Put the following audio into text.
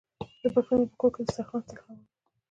د پښتنو په کور کې دسترخان تل هوار وي.